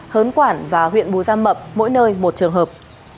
hớn quản và huyện bù gia mập mỗi nơi một trường hợp